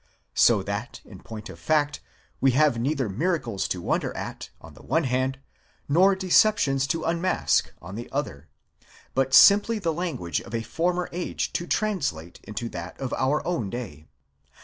So that, in point of fact, we have neither miracles to wonder at, on the one hand, nor deceptions to unmask on the other; but simply the lan guage of a former age to translate into that of our own day.